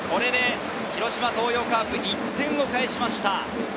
広島東洋カープ、１点を返しました。